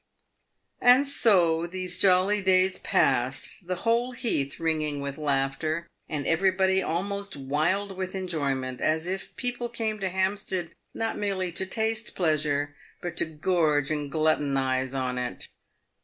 And so these jolly days passed, the whole heath ringing with laughter, and everybody almost wild with enjoyment, as if people came to Hampstead not merely to taste pleasure, but to gorge and gluttonise on it.